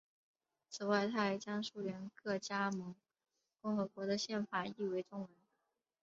此外他还将苏联各加盟共和国的宪法译为中文。